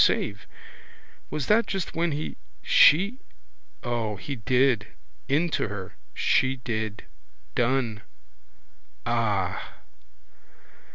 Save. Was that just when he, she? O, he did. Into her. She did. Done. Ah!